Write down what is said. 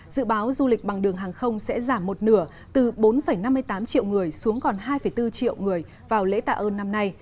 dự báo du lịch bằng đường hàng không sẽ giảm một nửa từ bốn năm mươi tám triệu người xuống còn hai bốn triệu người vào lễ tạ ơn năm nay